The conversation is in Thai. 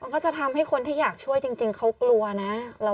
ก็จะทำให้คนที่อยากช่วยจริงเขากลัวนะ